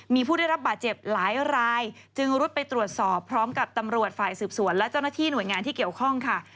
มีผู้ได้รับบาดเจ็บหลายรายจึงรุดไปตรวจสอบพร้อมกับตำรวจฝ่ายสืบสวนและเจ้าหน้าที่หน่วยงานที่เกี่ยวข้องค่ะ